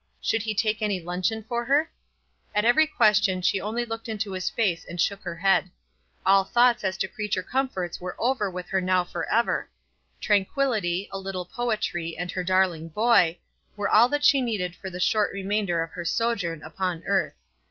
Should he take any luncheon for her? At every question she only looked into his face and shook her head. All thoughts as to creature comforts were over with her now for ever. Tranquillity, a little poetry, and her darling boy, were all that she needed for the short remainder of her sojourn upon earth.